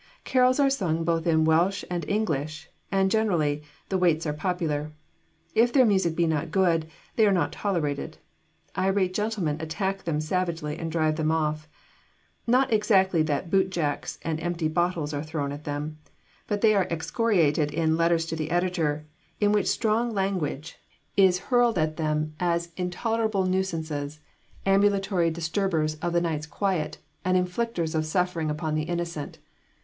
Carols are sung in both Welsh and English; and, generally, the waits are popular. If their music be not good, they are not tolerated; irate gentlemen attack them savagely and drive them off. Not exactly that boot jacks and empty bottles are thrown at them, but they are excoriated in 'letters to the editor,' in which strong language is hurled at them as intolerable nuisances, ambulatory disturbers of the night's quiet, and inflicters of suffering upon the innocent.